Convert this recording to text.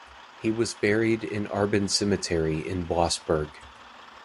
He was buried in Arbon Cemetery in Blossburg.